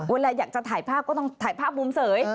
เวลาอยากจะถ่ายภาพก็ต้องถ่ายภาพมุมเสย